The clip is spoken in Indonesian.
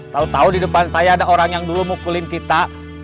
tahu tahu di depan saya ada orang yang dulu mukulin kita